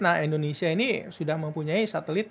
nah indonesia ini sudah mempunyai satelit